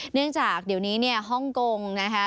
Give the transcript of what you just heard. เนื่องจากเดี๋ยวนี้เนี่ยฮ่องกงนะคะ